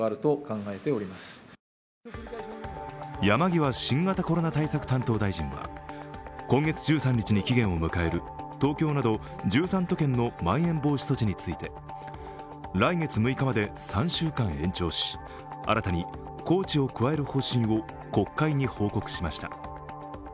山際新型コロナ対策担当大臣は今月１３日に期限を迎える東京など１３都県のまん延防止措置について来月６日まで３週間延長し、新たに高知を加える方針を国会に報告しました。